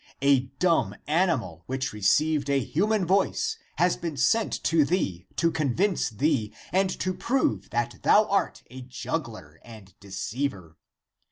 A dumb animal, which received a human voice, has been sent to thee to convince thee and to prove that thou art a juggler and deceiver.